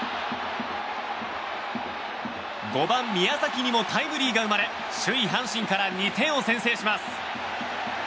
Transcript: ５番、宮崎にもタイムリーが生まれ首位、阪神から２点を先制します。